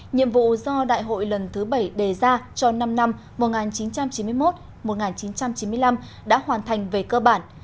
nhiệm vụ do đại hội lần thứ bảy đề ra cho năm năm một nghìn chín trăm chín mươi một một nghìn chín trăm chín mươi năm đã hoàn thành về cơ bản